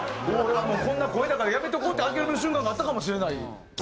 俺はもうこんな声だからやめとこうって諦める瞬間があったかもしれない。